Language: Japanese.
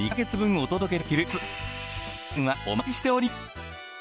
お電話お待ちしております。